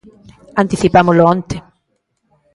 Anticipámolo onte.